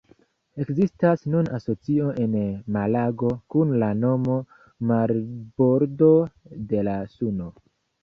Ekzistas nun asocio en Malago, kun la nomo «Marbordo de la Suno».